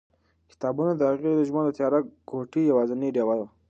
کتابونه د هغې د ژوند د تیاره کوټې یوازینۍ ډېوه وه.